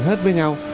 hết với nhau